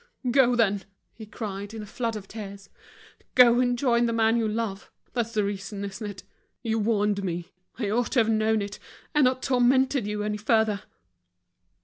"Go, then!" he cried, in a flood of tears. "Go and join the man you love. That's the reason, isn't it? You warned me, I ought to have known it, and not tormented you any further."